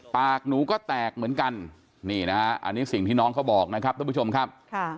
ปากหนูก็แตกเหมือนกันนี่นะฮะอันนี้สิ่งที่น้องเขาบอกนะครับท่านผู้ชมครับ